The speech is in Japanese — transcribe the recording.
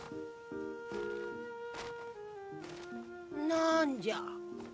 なんじゃ。